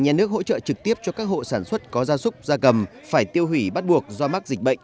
nhà nước hỗ trợ trực tiếp cho các hộ sản xuất có gia súc gia cầm phải tiêu hủy bắt buộc do mắc dịch bệnh